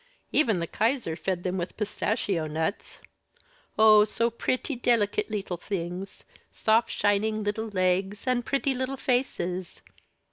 Even the kaiser fed them with pistachio nuts. Oh, so pretty! delicate leetle things, soft shining little legs, and pretty little faces!